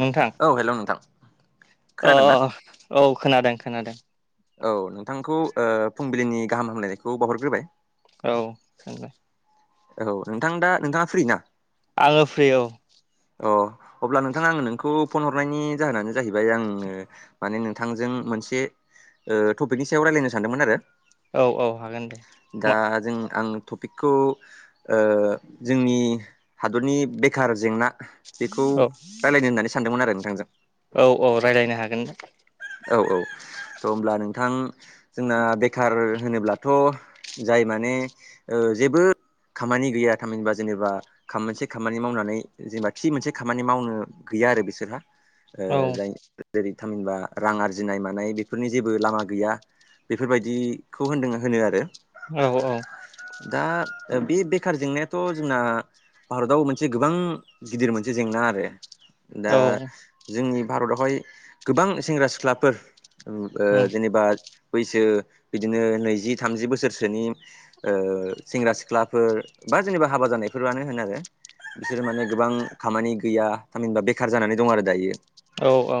नोंथां औ हेल' नोंथां अ' खोनादों ना औ खोनादों खोनादों। औ नोंथांखौ ओ फुंबिलिनि गाहाम हामलायनायखौ बावहरग्रोबाय। औ सोंदो औ नोंथां दा नोंथाङा फ्रि ना? आङो फ्रि औ अ' अब्ला नोंथां आङो नोंखौ फन हरनायनि जाहोनानो जाहैबाय आंङो माने नोंथांजों मोनसे ओ टपिकनि सायाव रायलायनो सानदोंमोन आरो औ औ हागोन दे दा जों आं टपिकखौ ओ जोंनि हादरनि बेखार जेंना बेखौ औ रायलायनो होन्नानै सानदोंमोन आरो नोंथांजों औ औ रायलायनो हागोन औ औ थ' होमब्ला नोंथां जोंना बेखार होनोब्लाथ' जाय माने ओ ओ जेबो खामानि गैया थामहिनबा जेनेबा खाम मोनसे खामानि मावनानै जेनेबा थि मोनसे खामानि मावनो गैय गैया आरो बिसोरहा ओ औ जाय जेरै थामहिनबा रां आरजिनाय मानाय बेफोरनि जेबो लामा गैया बेफोरबायदिखौ होन्दों होनो आरो। औ औ दा बे बेखार जेंनायाथ' जोंना भारताव मोनसे गोबां गिदिर मोनसे जेंना आरो। दा औ जोंनि भारतावहाय गोबां सेंग्रा सिख्लाफोर ओ जेनेबा बैसो बिदिनो नैजि थामजि बोसोरसोनि सेंग्रा ओ सिख्लाफोर बा जेनेबा हाबा जानायफोरानो होनो आरो बिसोरो माने गोबां खामानि गैया थामहिनबा बेखार जानानै दं आरो दायो। औ औ।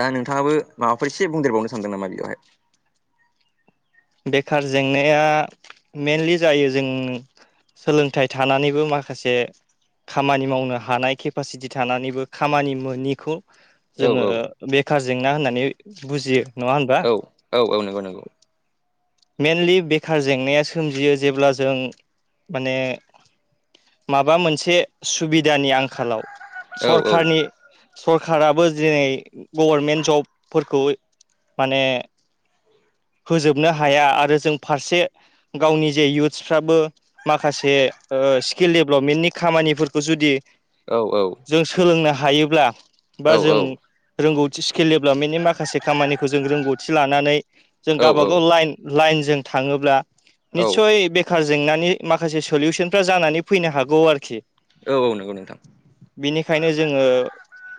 दा नोंथाङाबो माबाफोर एसे बुंदेरबावनो सानदों नामा बेयावहाय। बेखार जेंनाया मेनलि जायो जों सोलोंथाइ थानानैबो माखासे खामानि मावनो हानाय केपासिटि थानानैबो खामानि मोनिखौ औ जोङो औ बेखार जेंना होननानै बुजियो। नङा होनबा औ औ औ नंगौ नंगौ। मेइनलि बेखार जेंनाया सोमजियो जेब्ला जों माने माबा मोनसे सुबिदानि आंखालाव औ औ सरखारनि सरखाराबो दिनै गभारमेन्ट जबफोरखौ माने होजोबनो हा - हाया आरो जों फारसे गावनि जे इउथ्सफ्राबो माखासे स्किल डेभलपमेन्टनि खामानिफोरखौ जुदि औ जों सोलोंनो हायोब्ला बा औ जों रोंगौ स्किल डेभेलपमेन्टनि माखासे खामानिखौ जों रोंगौथि लानानै जों औ गावबाागाव लाइन लाइन जों थाङोब्ला औ निथसय बेखार जेंनानि माखासे सलुसनफ्रा जानानै फैनो हागौ आरोखि। औ नंगौ नोंथां बेनिखायनो जोङो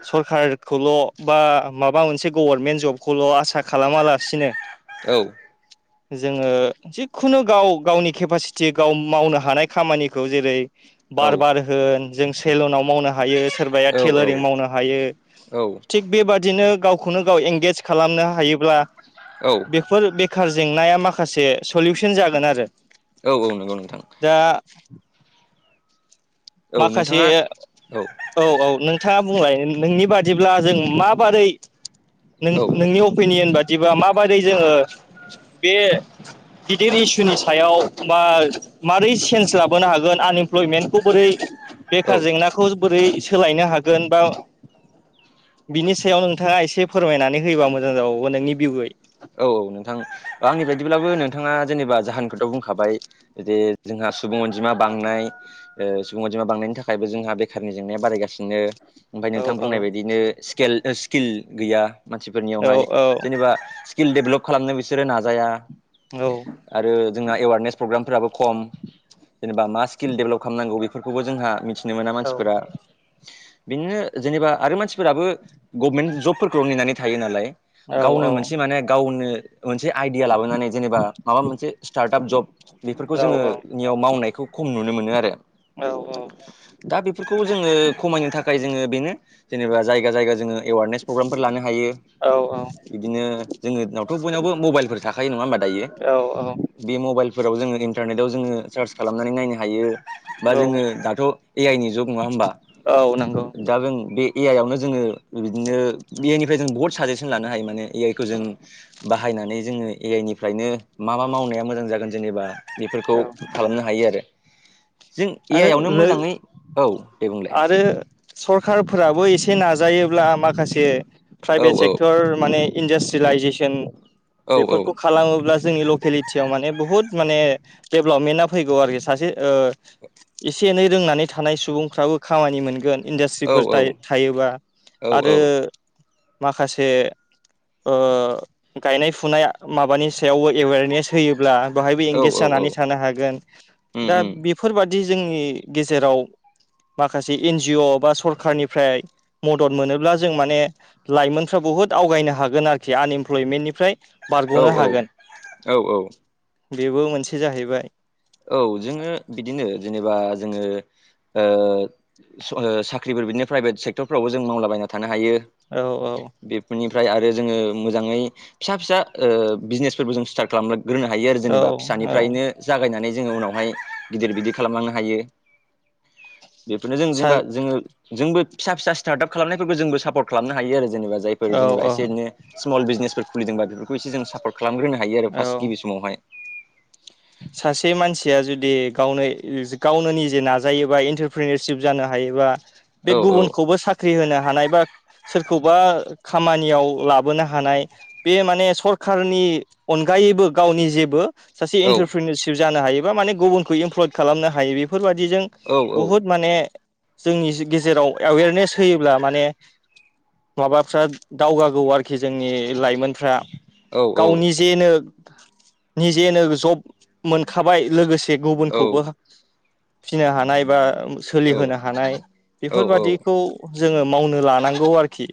सरखारखौल' बा माबा मोनसे गभारनमेन्ट जबखौल' आसा खालामालासिनो औ। जोङो जिखुनु गाव गावनि केपासिटि गाव मावनो हानाय खामानिखौ जेरै औ बार बार होन जों सेलुनाव मावनो हायो सोरबाया औ टेलरिं मावनो हायो औ थिग बेबादिनो गावखौनो गाव एंगेज खालामनो हायोब्ला औ बेफोर बेखार जेंनाया माखासे सलुसन जागोन आरो औ औ नंगौ नोंथां। दा औ माखासे नोंथाङा औ औ नोंथाङा। बुंलाय नोंनि बादिब्ला जों माबारै औ नोंनि अपिनियन बादि बिदिबा माबायदि जोङो बे गिदिर इसुनि सायाव बा मारै चेन्ज लाबोनो हागोन आनइमप्लयमेन्टखौ बोरै। औ बेखार जेंनाखौ बोरै सोलायनो हागोन बा बिनि सायाव नोंथाङा एसे फोरमायनानै होयोबा मोजां जाबावगोन नोंनि भीउयै। औ औ नोंथां आंनि बदिब्लाबो नोंथाङा जेनेबा जाहोन खोथाव बुंखाबाय। जे जोंहा सुबुं अनजिमा बांनाय ओ सुबुं अनजिमा बांनायनि थाखायबो जोंहा बेखारनि जेंनाया बारायगासिनो। ओमफ्राय औ नोंथां औ बुंनाय बायदिनो स्किल गैया मानसि औ फोरनियावहाय औ जेनेबा स्किल डेभेलप खालामनो बिसोरो नाजाया औ आरो जोंहा एवारनेस प्रग्रामफोराबो खम जेनेबा मा स्किल डेभेलप खालामनांगौ बेफोरखौबो जोंहा मिथि नो मोना औ मानसिफोरा। बिदिनो जेनेबा आरो मानसिफोराबो गभनमेन्ट जबफोरखौ नेनानै थायो नालाय। औ औ गावनो मोनसे माने गावनो मोनसे आइदिया लाबोनानै जेनेबा माबा मोनसे स्टार्टआप जब बेफोरखौ जोङोनियाव मावनायखौ खम नुनो मोनो आरो। औ औ दा बेफोरखौ जोङो खमायनो थाखाय जोङो बेनो जेनेबा जायगा जायगा जोङो। एवारनेस प्रग्रामफोर लानो हायो बिदिनो। जोंनि दिनावथ' बयनावबो मबाइलफोर थाखायो नङा होनोमबा दायो औ औ बे मबाइल फोराव जोङो इन्टारनेटाव जोङो सार्च खालामनानै नायनो हायो। बा औ जोङो दाथ' ए आइ नि जुब नङा होमबा औ नंगौ दा जों बे ए आइ आवनो जोङो बिदिनो ए आइ निफ्राय जों बहुत साजेसन लानो हायो माने ए आइ खौ जों बाहायनानै जोङो ए आइ निफ्रायनो मा मा मावनाया मोजां जागोन जेनेबा बेफोरखौ खालामनो हायो आरो। जों ए आरो आइ आवनो मोजाङै औ दे बुंलाय आरो सरखारफोराबो एसे नाजायोब्ला माखासे औ प्राइभेट औ सेक्टर माने इन्डास्ट्रिलाइजेसन औ बेफोरखौ खालामोब्ला जोंनि लकेलिटियाव माने बहुद माने डेभेलपमेन्टआ फैगौ आरोखि सासे ओ एसे एनै रोंनानै थानाय सुबुंफ्राबो खामानि मोनगोन। औ इन्डास्ट्रिफोर था- थायोबा आरो औ माखासे ओ गायनाय फुनाय माबानि सायावबो एवेरनेस होयोब्ला। बेहायबो औ एंगेज औ औ जानानै थानो हागोन उम दा उम बेफोरबादि जोंनि गेजेराव माखासे एनजअ' बा सरखारनिफ्राय मदद मोनोब्ला जों माने लाइमोनफ्राबो बहुद आवगायनो हागोन आरोखि आन इमप्लयमेन्टनिफ्राय औ औ औ औ। बेबो मोनसे जाहैबाय। औ जोङो बिदिनो जेनेबा जोङो ओ साख्रिफोर बिदिनो प्राइभेट सेक्टरफ्रावबो जों मावलाबाय थानो हायो। औ औ। ओमफ्राय आरो जोङो मोजाङै फिसा फिसा ओ बिजनेसफोरबो जों स्टार्ट खालाम ग्रोनो हायो आरो औ जेनेबा औ फिसानिफ्रायनो जागायनानै जोङो उनावहाय गिदिर बिदिर खालामलांनो हायो। बेफोरनो जों सा जेनेबा जोङो जोंबो फिसा फिसा स्टार्टआप खालामनायफोरखौ जोंबो सापर्ट खालामनो हायो आरो ज जेनेबा जायफोर औ जेनबा इसे औ एनै स्मल बिजनेसफोर खुलिदोंबा बेफोरखौ जों एसे जों सापर्ट खालामग्रोनो हायो आरो औ फार्स्ट गिबि समावहाय। सासे मानसिया जुदि गावनो गावनो निजजि नाजायोबा इन्टारप्रिनिरशिप जानो हा हायोबा बे औ औ गुबुनखौबो साख्रि होनो हानाय बा सोरखौबा खामानियाव लाबोनो हानाय बे माने सरखारनि अनगायै यैबो गावनि जेबो सासे औ एनथारफ्रनिरसिब हायोबा माने गुबखौ एफ्रुब खालामनो हायो। बेफोरबायादिजों औ बहुद माने जोंनि जि गेजेराव एवेरनेस होयोब्ला माने माबाफ्रा दावगागौ आरोखि जोंनि लाइमोनफ्रा। औ गाव निजेनो निजेनो जब मोनखाबाय लोगोसे से औ गुबुनखौबो फिनो हानाय बा औ सोलिहोनो हानाय बेफोरबादिखौ औ जोङो मावनो लानांगौ आरोखि।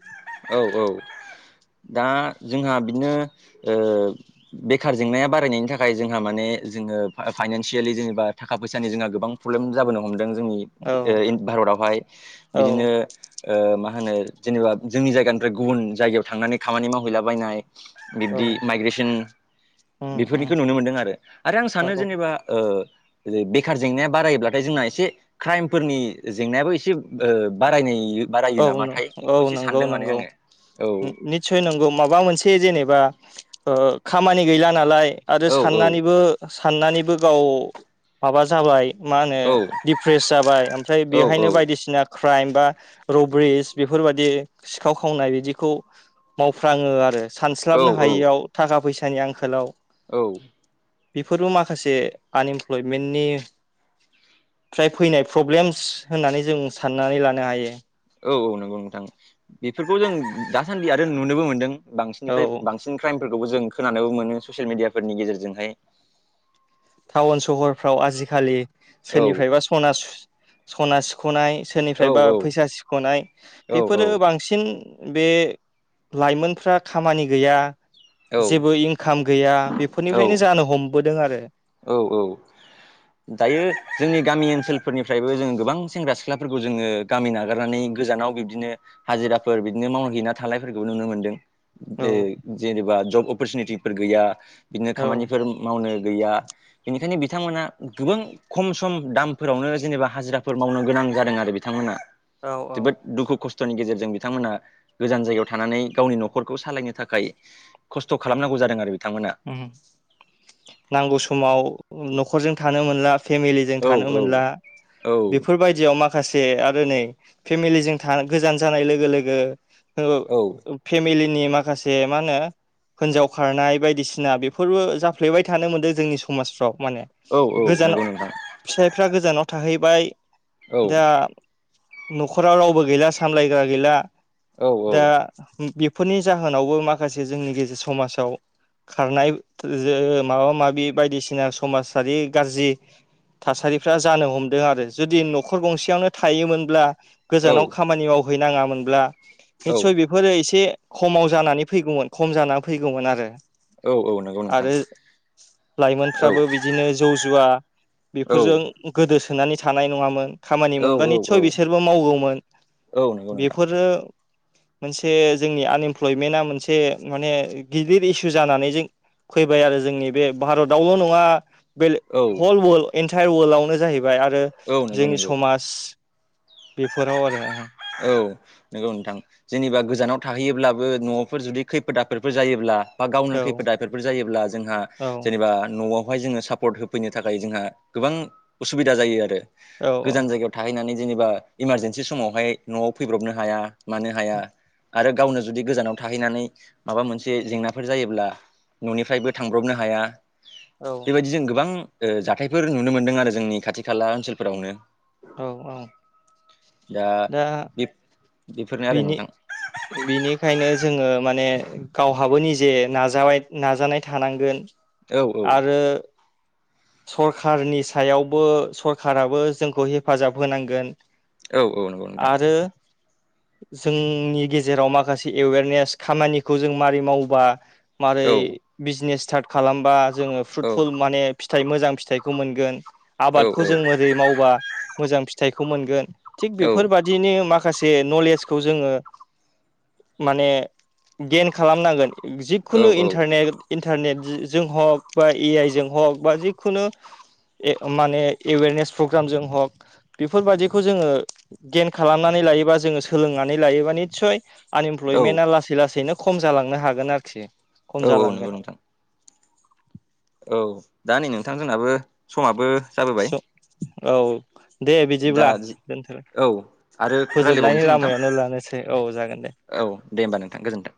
औ औ। दा जोंहा बिदिनो ओ बेखार जेंनाया बारायनायनि थाखाय जोंहा माने जोंओ फाय-फायनानसियेलि बा थाखा फैसानि जों गोबां फ्रब्लेम जाबोनो हमदों। जोंनि औ ओ इन भारतावहाय औ बिदिनो ओ मा होनो जेनेबा जोंनि जायगानिफ्राय गुबुन जायगायाव थांनानै खामानि मावहैलाबायनाय औ बिब्दि माइग्रेसन उम उम बेफोरनिखौ नुनो मोनदों आरो। आरो आं औ सानो जेनेबा ओ ओ बेखार जेंनाया बारायोब्लाथाय जोंना एसे क्राइमफोरनि जेंनायाबो एसे ओ बारायनाय बारायो औ नामाथाय औ बेखौ एसे नंगौ सानदों माने नंगौ आङो निस्सय नंगौ माबा मोनसे जेनेबा ओ खामानि गैला नालाय आरो औ औ साननानैबो साननानैबो गाव माबा जाबाय मा होनो औ औ दिडप्रेस जाबाय ओमफ्राय औ बेहायनो बायदिसिना क्राइम बा रबेरिस बेफोरबायदि सिखाव खावनाय बिदिखौ मावफ्राङो आरो। सानस्लाबनो औ हायियाव थाखा फैसानि आंखालाव औ। बेफोरबो माखासे आनइमप्लयमेन्टनि फ्राय फैनाय प्रब्लेमस होननानै जों साननानै लानो हायो। औ औ नंगौ नोंथां, बेफोरखौ जों दासान्दि आरो नुनोबो मोनदों। औ बांसिननिफ्राय बांसिन क्राइमफोरखौबो जों खोनानोबो मोनो ससियेल मिडियाफोरनि गेजेरजोंहाय। टाउन सहरफ्राव आजिखालि औ सोरनिफ्रायबा सना सुस सना सिख ख'नाय औ सोरनिफ्रायबा फैसा सिख'नाय। औ बेफोरो बांसिन बे लाइमोनफ्रा खामानि गैया औ जेबो इनकाम गैया बेफोरनिफ्रायनो औ जानो हमबोदों आरो। औ औ। दायो जोंनि गामि ओनसोलफोरनिफ्रायबो जोङो गोबां सेंग्रा सिख्लाफोरखौ जोङो गामि नागारनानै गोजानाव बिब्दिनो हाजिराफोर बिदिनो मावहैना थानायफोरखौबो नुनो मोन्दों। औ ओ जेनेबा जब अपरसुनिटिफोर गैया, बिदिनो औ खामानिफोर मावनो गैया बेनिखायनो बिथांमोना गोबां खम सम दामफोरावनो जेनेबा हाजिराफोर मावनो गोनां जादों आरो। बिथांमोना औ औ जोबोद दुखु खस्थ'नि गेजेरजों जों बिथांमोना गोजान जायगायाव थानानै गावनि न'खरखौ सालायनो थाखाय खस्थ' खालामनांगौ जादों आरो। बिथांमोना उम नांगौ समाव न'खरजों थानो मोनला फेमिलिजों औ थानो मोनला औ बेफोरबायदियाव मा खासे आरो नै फेमिलिजों था गोजान जानाय लोगो लोगो औ ओ फेमिलिनि माखासे मा होनो हिनजाव खारनाय बायदिसि ना बेफोरबो जाफ्लेबाय थानो मोनदों जोंनि समाजफ्राव। माने औ औ गोजानाव नंगौ नोंथां फिसाइफ्रा गोजानाव थाहैबाय औ दा न'खराव रावबो गैला सामलायग्रा गैला औ दा बे फोरनि जाहोनावबो माखासे जोंनि गेजेर समाजाव खारनाय जो माबा माबि बायदिसिना समाजारि गाज्रि थासारिफ्रा जानो हमदों आरो। जुदि न'खर गंसेयावनो थायोमोनब्ला औ गोजानाव खामानि मावहैनाङामोनब्ला औ निस्सय बेफोरो एसे खमाव जानानै फैगौमोन खम जानानै फैगौमोन आरो। औ नंगौ नोंथां आरो औ लाइमोनफ्राबो बिदिनो जौ जुवा बेफोरजों औ गोदोसोनानै थानाय नङामोन। खामानि औ मोनबा निसय बिसोरबो मावौमोन। औ नंगौ नोंथां बेफोरो मोनसे जोंनि आनइमप्लयमेन्टआ मोनसे माने गिदिर इसु जानानै जों फैबाय आरो जोंनि बे भारतावल' नङा बे औ अल वल्ड एन्टाय वल्डआवनो जाहैबाय आरो औ नंगौ जोंनि नंगौ समाज बेफोराव आरो औ नंगौ नोंथां जेनेबा गोजानाव थाहैयोब्लाबो न'आवफोर जुदि खैफोद आफोदफोर जायोब्ला बा गावनो खैफोद औ आफोदफोर जायोब्ला जोंहा औ जेनेबा न'आव हाय जोंनो सापर्ट होफैनो थाखाय जोंहा गोबां असुबिदा जायो आरो गोजान जायगायाव थाहैनानै जेनेबा इमारजेेनसि समावहाय न'आव फैब्रबनो हाया मानो हाया। आरो गावनो जुदि गोजानाव थाहैनानै माबा मोनसे जेंनाफोर जायोब्ला न'निफ्रायबो थांब्रबनो हाया। औ बेबायदि जों गोबां ओ जाथायफोर नुनो मोनदों आरो जोंनि खाथि खाला ओनसोल फोरावनो। औ-औ। दा बे बेफोरनो आरो बिनि नोंथां बिनिखायनो जोङो माने गावहाबो निज जे नाजाबाय नाजानाय थानांगोन औ औ आरो सरखारनि सायावबो सरखाराबो जोंखौ हेफाजाब होनांगोन। औ-औ नंगौ नोंथां। आरो जोंनि गेजेराव माखासे एवेरनेस खामानिखौ जों माबारै मावबा मारै औ बिजिनेस स्टार्ट खालामबा जोङो औ फ्रुटफुल माने फिथाइ मोजां फिथाइखौ मोनगोन औ आबादखौ जों मोरै मावबा मोजां फिथाइखौ मोनगोन थिग बेफोरबादिनो माख खासे नलेजखौ जोङो माने गेन खालामनांगोन। जिखुनु औ इन्टारनेट-इन्टारनेट जों हक बा ए आइ जों हक बा जिखुनु ए माने एवेरनेस प्रग्राम जों हक बेफोरबायाददिखौ जोङो गेन खालामनानै लायोबा जोङो सोलोंनानै लायोबा निसय औ आनइमप्लयमेन्टा लासै लासैनो खम जालांनो हागोन आरोखि। खम औ-औ नंगौ जालांगोन नोंथां। औ दा नै नोंथां जोंनाबो समाबो जाबोबाय स औ दे दा बिदिब्ला दोनथ' औ आरो फोजोबनायनि रायलायबावनोसै नोंथां लामायावनो लानोसै औ जागोन दे। औ दे होमबा नोंथां गोजोन्थों।